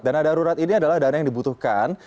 dana darurat ini adalah dana yang dibutuhkan